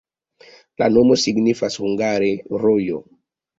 La nomo signifas hungare: rojo.